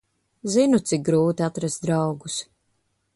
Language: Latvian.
Zinu, cik grūti atrast draugus.